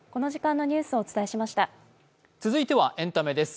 続いてはエンタメです